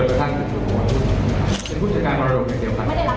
วิธาบอกว่ามีกระบวนการคืนฟูในด้านหลัง